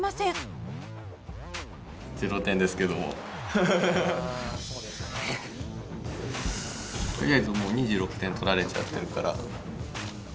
あそうですね。とりあえずもう２６点取られちゃってるから。